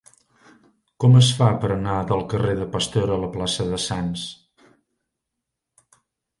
Com es fa per anar del carrer de Pasteur a la plaça de Sants?